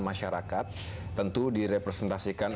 masyarakat tentu direpresentasikan